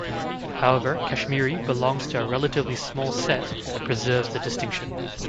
However, Kashmiri belongs to a relatively small set that preserves the distinction.